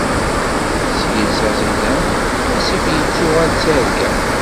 S yiles aẓidan, asif ittuɣal d targa.